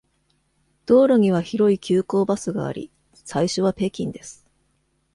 道路には広い急行バスがあり、最初は北京です。